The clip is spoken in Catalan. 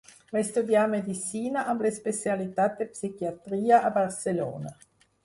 Va estudiar medicina, amb l'especialitat de psiquiatria, a Barcelona.